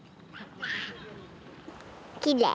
きれい。